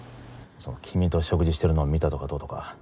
その君と食事してるのを見たとかどうとか。